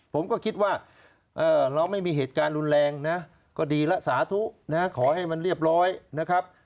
ผมก็คิดว่าเราไม่มีเหตุการณ์รุนแรงนะก็ดีละสาธุนะขอให้มันเรียบร้อยนะครับ